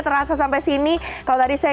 terasa sampai sini kalau tadi saya